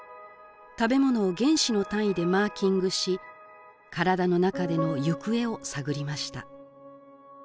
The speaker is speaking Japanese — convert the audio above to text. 食べものを原子の単位でマーキングし体の中での行方を探りました